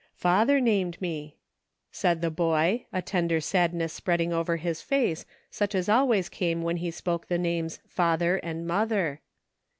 " Father named me," said the boy, a tender sad ness spreading over his face, such as always came when he spoke the names " father " and " mother."